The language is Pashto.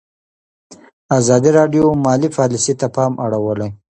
ازادي راډیو د مالي پالیسي ته پام اړولی.